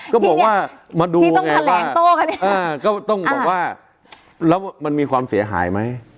ก็บอกว่ามาดูว่าไงว่าก็ต้องบอกว่าแล้วมันมีความเสียหายไหม